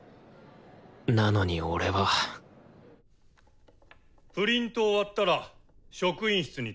なのに俺はプリント終わったら職員室に提出な！